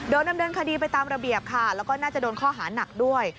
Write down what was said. ดำเนินคดีไปตามระเบียบค่ะแล้วก็น่าจะโดนข้อหานักด้วย